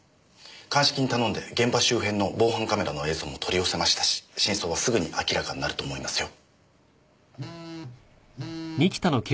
鑑識に頼んで現場周辺の防犯カメラの映像も取り寄せましたし真相はすぐに明らかになると思いますよ。